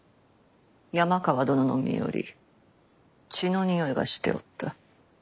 山川殿の身より血の臭いがしておった。